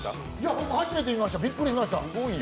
僕、初めて見ました、びっくりしました。